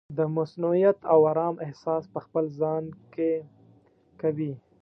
د مصؤنیت او ارام احساس پخپل ځان کې کوي.